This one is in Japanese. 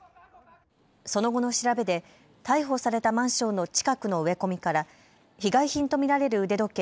その後の調べで逮捕されたマンションの近くの植え込みから被害品と見られる腕時計